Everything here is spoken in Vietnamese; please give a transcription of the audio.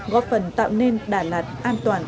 góp phần tạo nên đà lạt an toàn